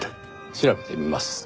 調べてみます。